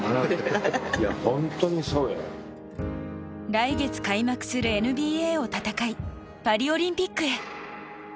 来月開幕するＮＢＡを戦いパリオリンピックへ。